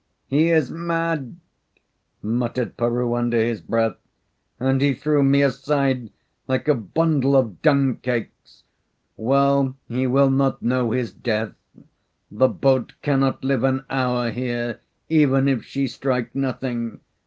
"He is mad!" muttered Peroo, under his breath. "And he threw me aside like a bundle of dung cakes. Well, he will not know his death. The boat cannot live an hour here even if she strike nothing.